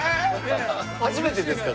初めてですか？